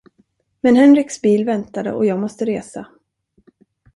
Men Henriks bil väntade och jag måste resa.